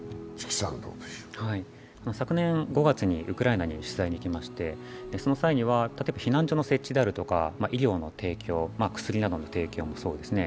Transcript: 昨年５月にウクライナに取材に行きましてその際には例えば避難所の設置であるとか、医療の提供、薬などの提供もそうですね。